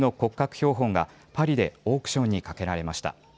標本がパリでオークションにかけられました。